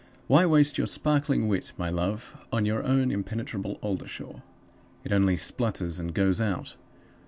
Why waste your sparkling wit, my love, on your own impenetrable Oldershaw? It only splutters and goes out.